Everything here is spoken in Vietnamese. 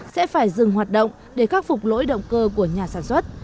sẽ phải dừng hoạt động để khắc phục lỗi động cơ của nhà sản xuất